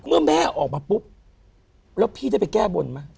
เมื่อแม่ออกมาปุ๊บแล้วพี่ได้ไปแก้บนไหม